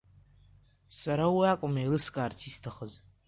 Сара уи акәым еилыскаарц исҭахыз.